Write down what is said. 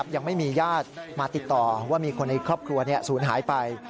ยังไม่มีญาติมาติดต่อว่ามีคนในครอบครัวศูนย์หายไป